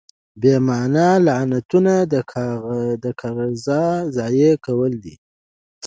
بې مانا لغتونه د کاغذ ضایع کول دي.